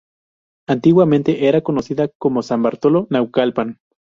Antiguamente era conocida como San Bartolo Naucalpan.